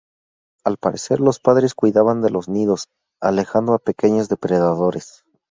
Al parecer los padres cuidaban de los nidos, alejando a pequeños depredadores.